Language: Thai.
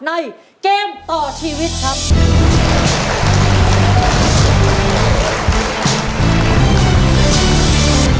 ในเกมต่อชีวิตครับ